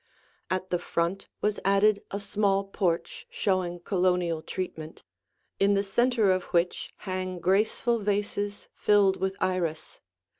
At the front was added a small porch showing Colonial treatment, in the center of which hang graceful vases filled with iris.